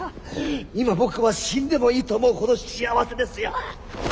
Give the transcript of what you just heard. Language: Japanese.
今僕は死んでもいいと思うほど幸せですよ。